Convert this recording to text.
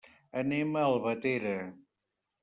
Anem a Albatera.